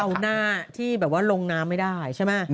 เอาหน้าที่แบบว่าลงน้ำไม่ได้ใช่ไหม